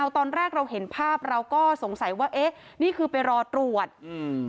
ตอนแรกเราเห็นภาพเราก็สงสัยว่าเอ๊ะนี่คือไปรอตรวจอืม